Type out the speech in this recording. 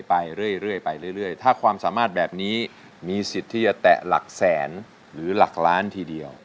แต่ว่าความสามารถแบบนี้มีสิทธิ์ที่จะแตะหลักแสนหรือหลักล้านทีเดียว